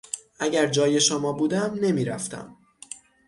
اگر جای شما بودم، نمیرفتم.